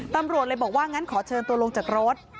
ตำรวจเลยบอกว่างั้นขอเชิญตัวลงจากรถ